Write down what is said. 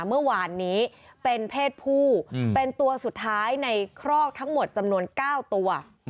เมื่อวานนี้เป็นเพศผู้เป็นตัวสุดท้ายในครอกทั้งหมดจำนวน๙ตัว